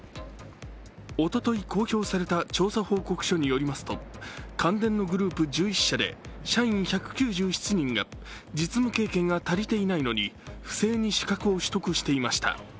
おととい公表された調査報告書によりますと関電のグループ１１社で社員１９７人が実務経験が足りていないのに不正に資格を取得していました。